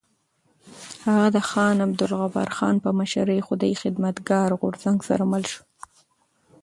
هغه د خان عبدالغفار خان په مشرۍ خدایي خدمتګار غورځنګ سره مل شو.